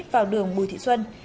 vào đường bùi thị xuân